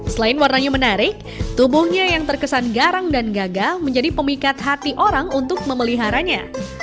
selain warnanya menarik tubuhnya yang terkesan garang dan gagal menjadi pemikat hati orang untuk memeliharanya